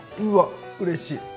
うわうれしい！